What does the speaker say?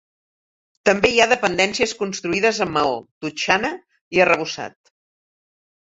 També hi ha dependències construïdes amb maó, totxana i arrebossat.